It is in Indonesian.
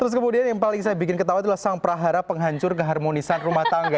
terus kemudian yang paling saya bikin ketawa adalah sang prahara penghancur keharmonisan rumah tangga